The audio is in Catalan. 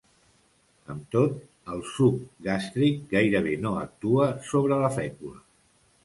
Amb tot, el suc gàstric gairebé no actua sobre la fècula.